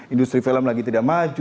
industri film lagi tidak maju